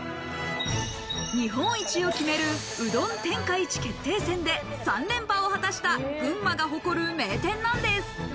日本一を決める、うどん天下一決定戦で３連覇を果たした群馬が誇る名店なんです。